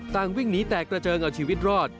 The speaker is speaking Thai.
วิ่งหนีแตกกระเจิงเอาชีวิตรอด